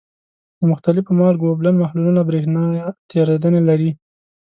د مختلفو مالګو اوبلن محلولونه برېښنا تیریدنې لري.